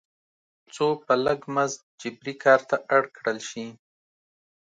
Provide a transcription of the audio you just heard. څو په لږ مزد جبري کار ته اړ کړل شي.